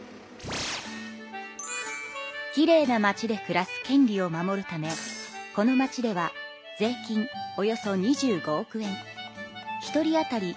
きれいな町で暮らす権利を守るためこの町では税金およそ２５億円１人あたり